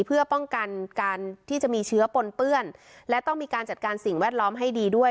เพื่อป้องกันการที่จะมีเชื้อปนเปื้อนและต้องมีการจัดการสิ่งแวดล้อมให้ดีด้วย